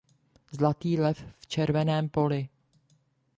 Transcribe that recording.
Zlatý lev v červeném poli.